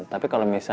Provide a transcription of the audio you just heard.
tapi kalau misalnya